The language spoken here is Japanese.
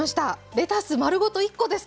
レタス丸ごと１コですか？